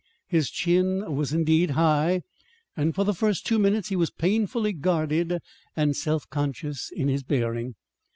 His chin was indeed high, and for the first two minutes he was painfully guarded and self conscious in his bearing.